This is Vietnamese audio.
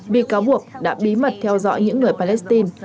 bị cáo buộc đã bí mật theo dõi những người palestine